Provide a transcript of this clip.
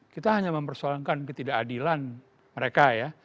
kita hanya mempersoalkan ketidakadilan mereka ya